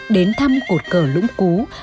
đến thăm cột cờ lũng cú